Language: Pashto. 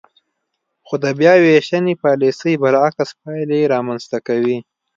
خو د بیاوېشنې پالیسۍ برعکس پایلې رامنځ ته کوي.